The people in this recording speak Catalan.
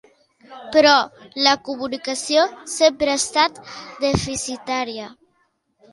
Però la comunicació sempre ha estat deficitària.